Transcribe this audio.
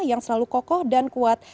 yang selalu kokoh dan kuat